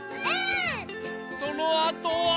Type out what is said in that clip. そのあとは。